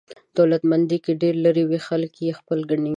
دولتمند که ډېر لرې وي خلک یې خپل ګڼي.